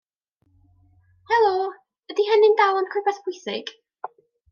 Helo, ydy hynna'n dal yn rhywbeth pwysig?